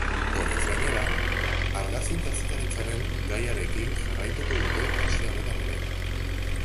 Horrez gainera, argazki kazetaritzaren gaiarekin jarraituko dute aste honetan ere.